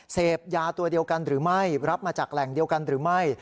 เสพยาตัวเดียวกันหรือไม่รับมาจากแหล่งเดียวกันหรือไม่